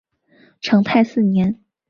成泰四年。